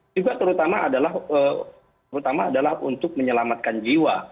juga terutama adalah untuk menyelamatkan jiwa